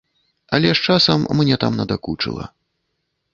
Але з часам мне там надакучыла.